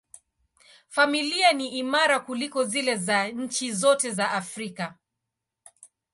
Familia ni imara kuliko zile za nchi zote za Afrika.